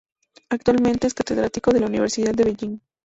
Actualmente es catedrático de la Universidad de Beijing.